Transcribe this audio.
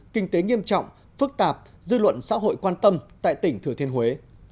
kinh tế nghiêm trọng phức tạp dư luận xã hội quan tâm tại tỉnh thừa thiên huế